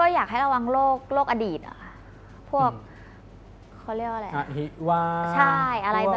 อยากให้ระวังโรคอดีตค่ะพวกเขาเรียกว่าอะไรนะ